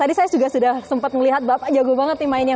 tadi saya juga sudah sempat melihat bapak jago banget nih mainnya